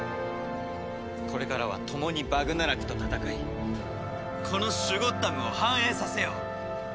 これからは共にバグナラクと戦いこのシュゴッダムを繁栄させよう！